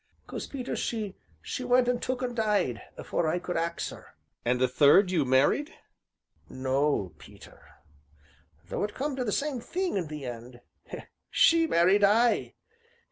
"'Cause, Peter, she went an' took an' died afore I could ax 'er." "And the third, you married." "No, Peter, though it come to the same thing in the end she married I.